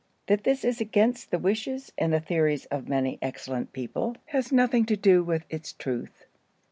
That this is against the wishes and the theories of many excellent people has nothing to do with its truth.